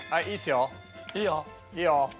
いいよ。いいよ。